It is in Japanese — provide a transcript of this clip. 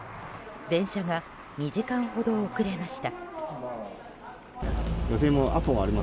電車が２時間ほど遅れました。